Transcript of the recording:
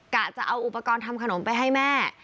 จะเอาอุปกรณ์ทำขนมไปให้แม่